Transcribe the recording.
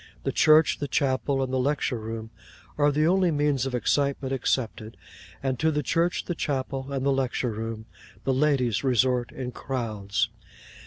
The church, the chapel, and the lecture room, are the only means of excitement excepted; and to the church, the chapel, and the lecture room, the ladies resort in crowds.